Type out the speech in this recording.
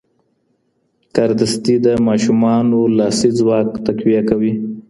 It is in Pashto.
کاردستي د ماشومانو لاسي ځواک تقویه کوي.